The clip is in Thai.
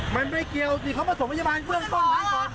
มันไม่เกี่ยวสิพ่อส่งพยาบาลเบื้องจ้อนทั้งคอน